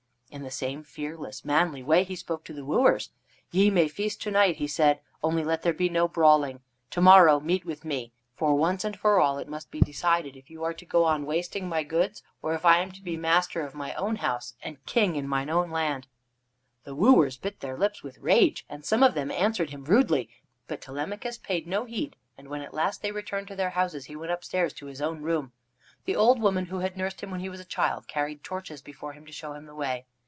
In the same fearless, manly way he spoke to the wooers: "Ye may feast to night," he said; "only let there be no brawling. To morrow meet with me. For once and for all it must be decided if ye are to go on wasting my goods, or if I am to be master of my own house and king in mine own land." The wooers bit their lips with rage, and some of them answered him rudely; but Telemachus paid no heed, and when at last they returned to their houses, he went upstairs to his own room. The old woman who had nursed him when he was a child carried torches before him to show him the way.